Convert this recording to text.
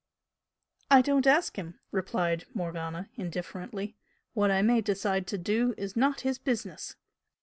"I don't ask him!" replied Morgana, indifferently "What I may decide to do is not his business."